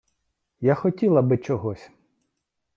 Я хотіла би чогось!